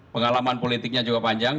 pengalaman politiknya juga panjang